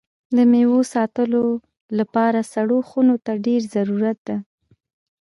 د میوو ساتلو لپاره سړو خونو ته ډېر ضرورت ده.